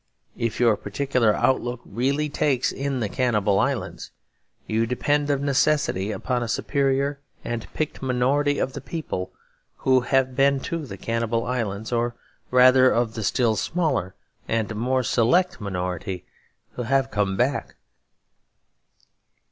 If your political outlook really takes in the Cannibal Islands, you depend of necessity upon a superior and picked minority of the people who have been to the Cannibal Islands; or rather of the still smaller and more select minority who have come back.